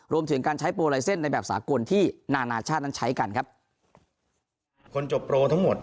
รวมถึงการใช้โปรไลเซ็นต์ในแบบสากลที่นานาชาตินั้นใช้กันครับ